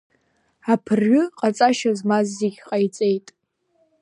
Аԥырҩы ҟаҵашьа змаз зегьы ҟаиҵеит.